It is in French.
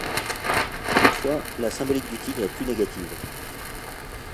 Toutefois, la symbolique du tigre est plus négative.